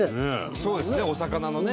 そうですねお魚のね。